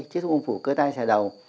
chiếc súng ôm phủ cơ tai xà đầu